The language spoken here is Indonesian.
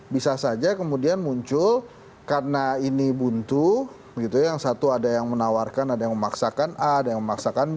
bisa saja kemudian muncul karena ini buntu gitu ya yang satu ada yang menawarkan ada yang memaksakan a ada yang memaksakan b